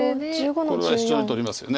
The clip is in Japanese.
これはシチョウに取りますよね。